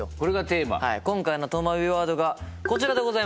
今回のとまビワードがこちらでございます。